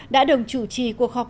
đã đồng chủ trì cuộc họp